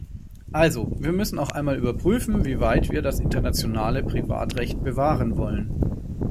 Also, wir müssen auch einmal überprüfen, wie weit wir das internationale Privatrecht bewahren wollen.